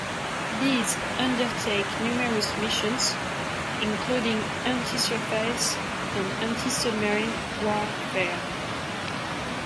These undertake numerous missions, including anti-surface and anti-submarine warfare.